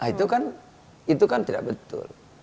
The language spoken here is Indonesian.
nah itu kan tidak betul